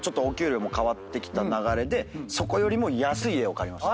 そこよりも安い家を借りました。